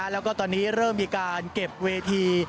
แล้วก็ตอนนี้เริ่มมีการเก็บเวที